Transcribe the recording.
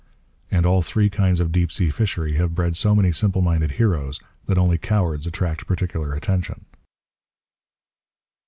And all three kinds of deep sea fishery have bred so many simple minded heroes that only cowards attract particular attention.